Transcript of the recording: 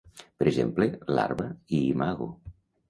Per exemple larva i imago.